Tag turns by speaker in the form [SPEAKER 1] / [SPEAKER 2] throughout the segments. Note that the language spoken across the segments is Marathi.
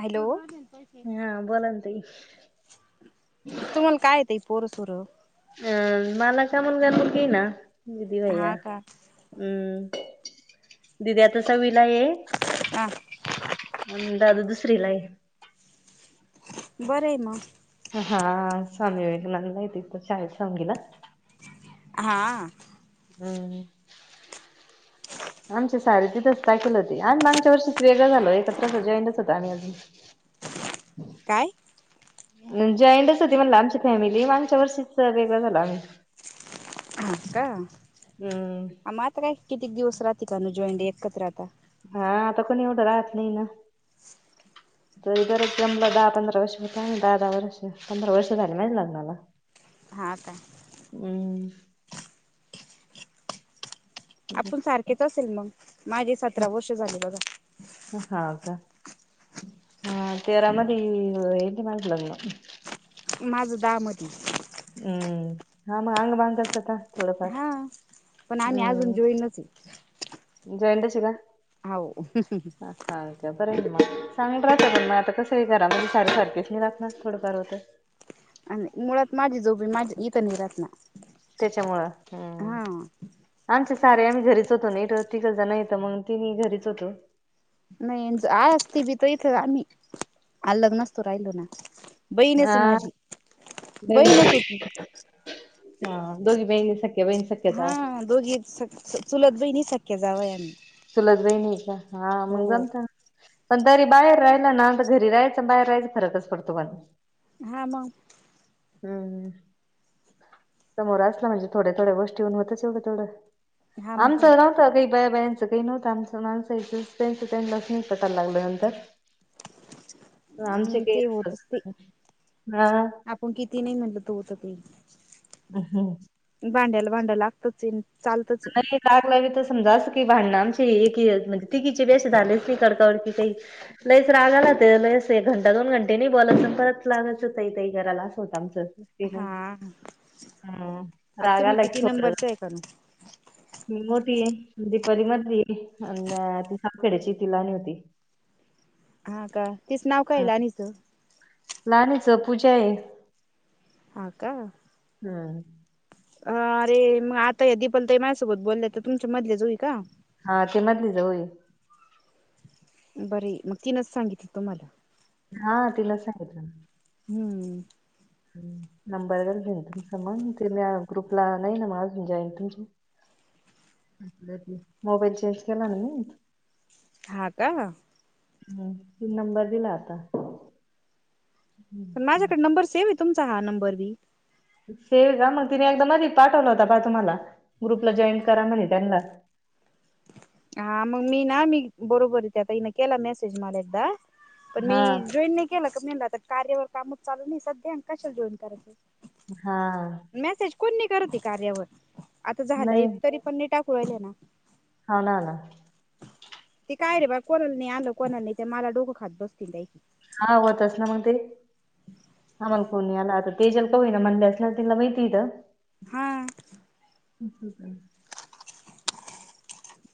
[SPEAKER 1] हॅलो.
[SPEAKER 2] हा बोलाना ताई.
[SPEAKER 1] तुम्हाला काय आहे ताई पोरं सोर?
[SPEAKER 2] हम्म, मला का मुलगा- मुलगी ना, दीदी भैया.
[SPEAKER 1] हा का
[SPEAKER 2] हम्म, दीदी आता सहावीला ये
[SPEAKER 1] हा
[SPEAKER 2] अन दादा दुसरीला आहे.
[SPEAKER 1] बरंय मग.
[SPEAKER 2] हां स्वामी विवेकानंदला येत इथं शाळेत सावंगीला.
[SPEAKER 1] हा.
[SPEAKER 2] हम्म. आमची सारी तीथच टाकेल होती, आम्ही मांगच्या वर्षीच वेगळो झालोय, एकत्र असं जॉंइडच होतो आम्ही अजून. [inaudible]
[SPEAKER 1] काय
[SPEAKER 2] अन जॉईंडच होती म्हणलं आमची फॅमिली, मांगच्या वर्षीच तर वेगळं झालो आम्ही.
[SPEAKER 1] हाव का?
[SPEAKER 2] हम.
[SPEAKER 1] आ मग आता काय कितीक दिवस राहती कानु जॉईंट एकत्र आता?
[SPEAKER 2] हा आता कोनी एवढं राहत नाही ना. तरी बरंच जमलं दहा- पंधरा वर्ष होत, दहा- दहा वर्ष, पंधरा वर्ष झाले माझ्या लग्नाला.
[SPEAKER 1] हा काय?
[SPEAKER 2] हम्म.....
[SPEAKER 1] आपुण सारखेच असेल मग, माझे सतरा वर्ष झाले बघा.
[SPEAKER 2] हाव का? आ तेरामधी होएले माझं लग्न.
[SPEAKER 1] माझं दहा मधी.
[SPEAKER 2] हम्म, ह मग आंग मांगलचत
[SPEAKER 1] हा, पण आम्ही अजून जॉईनच हे
[SPEAKER 2] जॉईन्डचे का?
[SPEAKER 1] हाव.
[SPEAKER 2] हाव का बरं हाय का मग, चांगलं राहतं पण मग आता कसंय घरामध्ये सारे सारखेच नाही राहत ना थोडंफार होतं
[SPEAKER 1] आणि मुळात माझी जाऊ बाई माझी इथं नाही राहत ना.
[SPEAKER 2] त्येच्यामुळं हम्म.
[SPEAKER 1] हा
[SPEAKER 2] आमचे सारे आम्ही घरीच होतो ना, इध तिघजण येतं मंग तिन्ही घरीच होतो.
[SPEAKER 1] नाही अन आसती बी तर इथं आम्ही, अलग नसतो राहिलो ना. बईण हे
[SPEAKER 2] हा
[SPEAKER 1] ती माझी, बईणच
[SPEAKER 2] बहिणी
[SPEAKER 1] होती ती.
[SPEAKER 2] हा, दोघी बहिणी सक
[SPEAKER 1] हा दोघी चुलत बहिणी, सक्क्या जावं हाय आम्ही.
[SPEAKER 2] चुलत बहिणी हे का, हा मग
[SPEAKER 1] हो.
[SPEAKER 2] जमत. पण तरी बाहेर राहिला ना, तर घरी राहायचं बाहेर राहायचं फरकच पडतो पण
[SPEAKER 1] हा म.
[SPEAKER 2] हम्मम, समोर असलं म्हणजे थोड्या थोड्या गोष्टी हुन होतच एवढं तेवढं.
[SPEAKER 1] हा
[SPEAKER 2] [unintelligible]
[SPEAKER 1] मग काय
[SPEAKER 2] काही बाया, बायांचं काही नव्हत आमचं माणसां त्यांच त्यांनला निस्तराय लागलं नंतर.
[SPEAKER 1] अम् ते
[SPEAKER 2] [unintelligible]
[SPEAKER 1] तुमचं ती नाही म्हणलं तू तर ते
[SPEAKER 2] अ, हं
[SPEAKER 1] भांड्याला भांड लागतच ये चालतंच ते
[SPEAKER 2] टाग ला तर समजा असं की भांडन आमची, एक म्हणजे तिघीचे बे असं झालेस नाही कडका कडकी काही. लईच राग आला ते लस एक घंटा दोन घंटे नाही बोलायच अन परत लागायच होत ताई, ताई करायला असं होतं आमचं.
[SPEAKER 1] हा, हं
[SPEAKER 2] हा
[SPEAKER 1] आता
[SPEAKER 2] राग
[SPEAKER 1] तुम्ही
[SPEAKER 2] आला की
[SPEAKER 1] किती
[SPEAKER 2] थोडं
[SPEAKER 1] नंबरच आहेसा म?
[SPEAKER 2] मी मोठीय, दीपाली मदली, ती सापखेड्याची ति लहाणी होती.
[SPEAKER 1] हा, का तिच नाव काय लहानीचं?
[SPEAKER 2] लहाननीच पूजा हे
[SPEAKER 1] हा का
[SPEAKER 2] हम.
[SPEAKER 1] अ, अरे मग आता या दीपाली ताई माझ्यासोबत बोल्या तुमच्या मधले जाऊय का?
[SPEAKER 2] हा ती मधली जावूय
[SPEAKER 1] बरी, मग तीनच सांगितल तुम्हाला?
[SPEAKER 2] हा तिनच सांगितलं
[SPEAKER 1] हम्म.
[SPEAKER 2] नंबर घन तुमचा मंग ते मी ग्रुपला नाही ना म जॉईन तुमची? मोबाईल चेंज केला ना मी
[SPEAKER 1] हा का?
[SPEAKER 2] हम्, तीन नंबर दिला आता.
[SPEAKER 1] पण
[SPEAKER 2] हम्म.
[SPEAKER 1] माझ्याकड नंबर सेव हेय तुमचा हा नंबर बी.
[SPEAKER 2] सेव हेय का? मग तिने एकदा मधी पाठवला होता पा, तुम्हाला, ग्रुपला जॉईन करा म्हणे त्यानला
[SPEAKER 1] हा मग मी ना मी, बरोबर ये त्या ताईन केला मेसेज मला एकदा पण मी
[SPEAKER 2] हा
[SPEAKER 1] जॉईन नाही केलं का, मी म्हणल कार्यावर कामच चालू नाही सध्या, कशाला जोईन करायचं.
[SPEAKER 2] हां.
[SPEAKER 1] मेसेज कोण नाही करत ये कार्यावर, आता
[SPEAKER 2] नाही
[SPEAKER 1] झालंय तरी पण मी टाकू राहीलं ना.
[SPEAKER 2] हाव ना ना.
[SPEAKER 1] ते काय रे बा कोणाल आलं कोणालने ते मला डोकं खात बसतील ते.
[SPEAKER 2] हा होत अस ना मग ते. अमल कोण नेणार. ते जल प होई ना म्हण असल्या तला माहिती इथं.
[SPEAKER 1] हां.
[SPEAKER 2] [inaudible]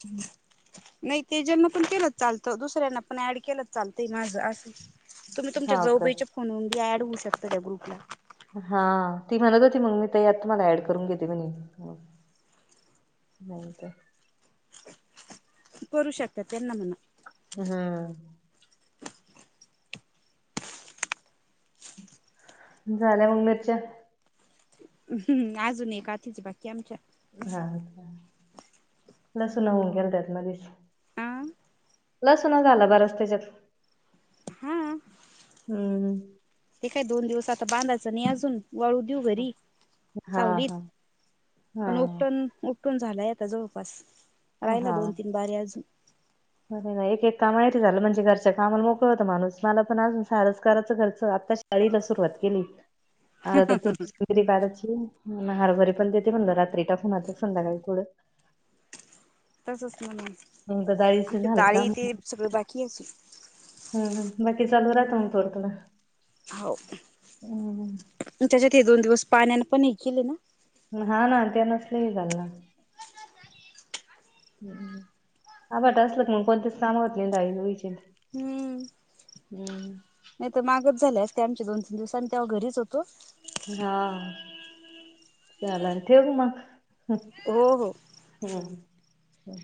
[SPEAKER 2] हम्म.
[SPEAKER 1] नाही ते ज्यांना पण केलं चालतं दुसऱ्यांना पण ऍड केलं चालतंय. ना आशी. तुम्ही तुमच्या
[SPEAKER 2] हा का
[SPEAKER 1] जऊबाईच्या फोन हुन बी ऍड होऊ शकता त्या ग्रुपला.
[SPEAKER 2] हा ती म्हणत होती मग मी तई आत मला ऍड करून घेते म्हणी. [unintelligible]
[SPEAKER 1] करू शकतात त्यांना म्हण.
[SPEAKER 2] हम्म. झाले मग मिरच्या?
[SPEAKER 1] हम्म. अजून एक का तीच बाकी आमच्या.
[SPEAKER 2] हाछ लस न होऊन गेल त्यात मधच.
[SPEAKER 1] हा
[SPEAKER 2] लस न झालं बर्याच त्याच्यात.
[SPEAKER 1] हा
[SPEAKER 2] हम्म.
[SPEAKER 1] ते काय दोन दिवस आता बांधाचं नाही अजून. वाळू देऊ घरी
[SPEAKER 2] हा
[SPEAKER 1] सावलीत
[SPEAKER 2] हा
[SPEAKER 1] पण
[SPEAKER 2] हा
[SPEAKER 1] उटण कुटून झालाय आता जवळपास. राहिला दोन-तीन बारी अजून.
[SPEAKER 2] र नाही एक कामा झालं म्हणजे घरच्या कामाला मोकळ होत माणूस. मला पण सारच कराचं घरचं. आता ाळीला सुरुवात केली. आता आता तुरी बाराची. हरभरी पण देते म्हणलं रात्री टाकून आता संध्याकाली थोडं.
[SPEAKER 1] तसच ना म.
[SPEAKER 2] मग तर डाळीचं
[SPEAKER 1] आमच्या
[SPEAKER 2] झालं
[SPEAKER 1] दार
[SPEAKER 2] का मग
[SPEAKER 1] ते सगळ बाकी अस.
[SPEAKER 2] हम्म. बाकी चालू राह त मग तोरतला.
[SPEAKER 1] हाव. त्याच्यात हे दोन दिवस पाण्याने पण वेचीले.
[SPEAKER 2] हा ना ते नसल्याही हे झालं ना. ह आट असल मग पण तेस सांभवत नाही दई वचे.
[SPEAKER 1] हम्म.
[SPEAKER 2] हम्म.
[SPEAKER 1] नाही तर मागच झाल्यास का आमचे दोन तीन दिवस आम तेव्हा घरीच होतो.
[SPEAKER 2] हा. झालं ठेऊ का मग.
[SPEAKER 1] हो हो.
[SPEAKER 2] हम ह.